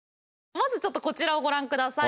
まずちょっとこちらをご覧下さい。